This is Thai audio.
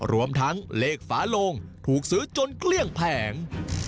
รวมทั้งเลขฝาโลงถูกซื้อจนเกลี้ยงแผง